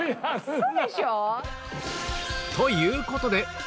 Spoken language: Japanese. ウソでしょ！？